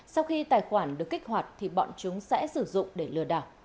sau khi tài khoản được kích hoạt thì bọn chúng sẽ sử dụng để lừa đảo